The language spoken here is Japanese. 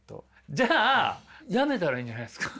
じゃあ辞めたらいいんじゃないですか。